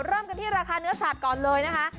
เริ่มกันที่ราคาเนื้อสัตว์ก่อนเลยนะคะ